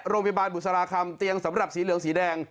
โรงพิวบาลบุษราคมเตียงสำหรับสีเหลืองสีแดง